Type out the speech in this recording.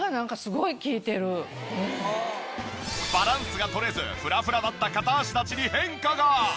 バランスが取れずフラフラだった片足立ちに変化が！